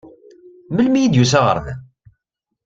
Melmi i d-yusa ar da?